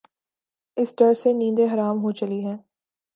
اس ڈر سے نیندیں حرام ہو چلی ہیں۔